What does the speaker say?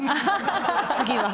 次は。